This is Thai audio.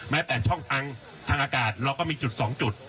แม้แต่ช่องทางทางอากาศเราก็มีจุดสองจุด